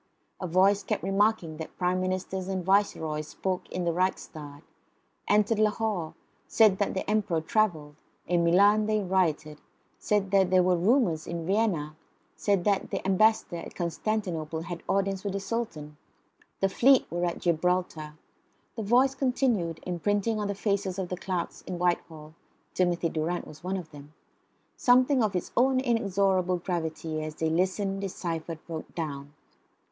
A voice kept remarking that Prime Ministers and Viceroys spoke in the Reichstag; entered Lahore; said that the Emperor travelled; in Milan they rioted; said there were rumours in Vienna; said that the Ambassador at Constantinople had audience with the Sultan; the fleet was at Gibraltar. The voice continued, imprinting on the faces of the clerks in Whitehall (Timothy Durrant was one of them) something of its own inexorable gravity, as they listened, deciphered, wrote down.